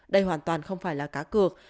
đây hoàn toàn không phải là cá cược